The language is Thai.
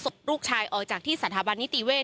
ศพลูกชายออกจากที่สถาบันนิติเวศ